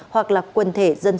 hoặc là quần thể dân số nhất định